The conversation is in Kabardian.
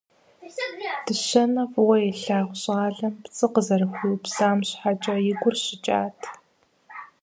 Дыщэнэ фӏыуэ илъагъу щӏалэм пцӏы къызэрыхуиупсам щхьэкӏэ и гур щыкӏат.